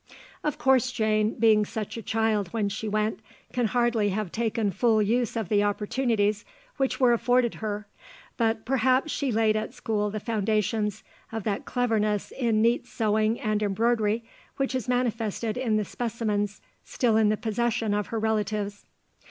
Of course Jane, being such a child when she went, can hardly have taken full use of the opportunities which were afforded her, but perhaps she laid at school the foundations of that cleverness in neat sewing and embroidery which is manifested in the specimens still in the possession of her relatives.